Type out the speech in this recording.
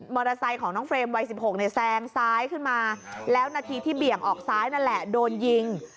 ไซค์ของน้องเฟรมวัย๑๖เนี่ยแซงซ้ายขึ้นมาแล้วนาทีที่เบี่ยงออกซ้ายนั่นแหละโดนยิง